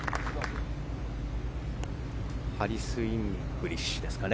ハリス・イングリッシュですかね。